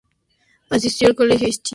Asistió al colegio St.